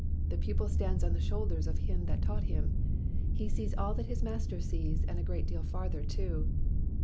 The pupil stands on the shoulders of him that taught him. He sees all that his master sees, and a great deal farther too."